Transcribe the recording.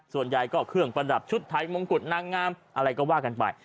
ส่วนใหญ่ก็เครื่องประดับชุดไทยมงกุฎนางงามอะไรก็ว่ากันไป